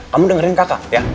kamu dengerin kakak ya